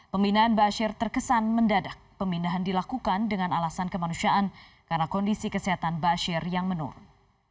pembinaan bashir terkesan mendadak pemindahan dilakukan dengan alasan kemanusiaan karena kondisi kesehatan bashir yang menurun